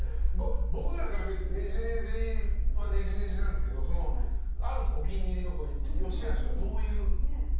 僕らから見るとねじねじはねじねじなんですけどあるんですか、お気に入りの良し悪しはどういう。